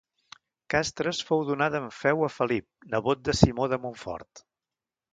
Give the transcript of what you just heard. Castres fou donada en feu a Felip, nebot de Simó de Montfort.